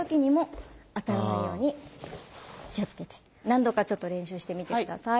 何度かちょっと練習してみて下さい。